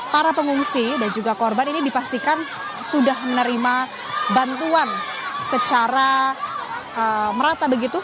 para pengungsi dan juga korban ini dipastikan sudah menerima bantuan secara merata begitu